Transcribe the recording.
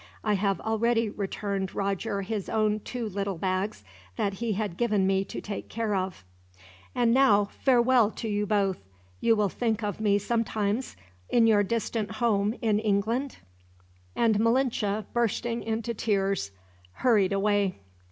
I have already returned Roger his own two little bags, that he had given me to take care of. "And now, farewell to you both. You will think of me, sometimes, in your distant home in England?" And Malinche, bursting into tears, hurried away.